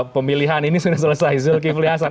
pemilihan ini sudah selesai zulkifli hasan